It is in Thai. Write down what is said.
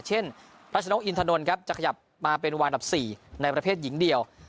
เช่นรัชนกอินทนนท์ครับจะขยับมาเป็นวันดับ๔ในประเภทหญิงเดียว